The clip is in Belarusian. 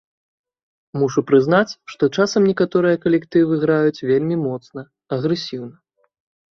Мушу прызнаць, што часам некаторыя калектывы граюць вельмі моцна, агрэсіўна.